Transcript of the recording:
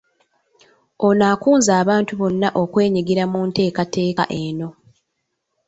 Ono akunze abantu bonna okwenyigira mu nteekateeka eno.